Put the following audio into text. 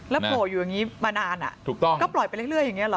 โผล่อยู่อย่างนี้มานานอ่ะถูกต้องก็ปล่อยไปเรื่อยอย่างนี้หรอ